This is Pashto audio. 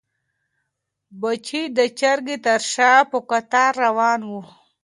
بچي د چرګې تر شا په کتار روان وو.